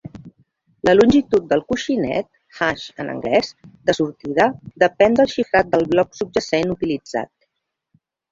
La longitud del coixinet (hash en anglès) de sortida depèn del xifrat del bloc subjacent utilitzat.